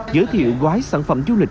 giới thiệu gói sản phẩm du lịch